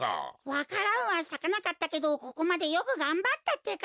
わか蘭はさかなかったけどここまでよくがんばったってか。